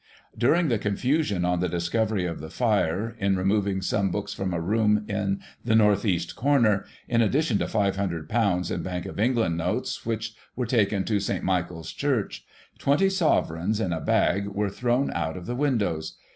" During the confusion on the discovery of the fire, in re moving some books from a room in the north east comer, in addition to ;£'500 in Bank of England notes, which were taken to St. Michael's Church, twenty sovereigns, in a bag, were thrown out of the windows.